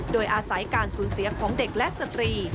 โดยอาศัยการสูญเสียของเด็กและสตรี